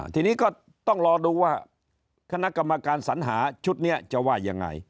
ทีนี้ก็ต้องรอดูว่าคณะกรรมการสัญหาชุดนี้จะว่ายังไง